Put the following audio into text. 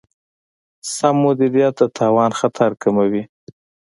سم مدیریت د تاوان خطر کموي.